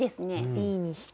Ｂにして。